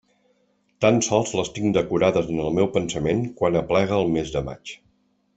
Tan sols les tinc decorades en el meu pensament quan aplega el mes de maig.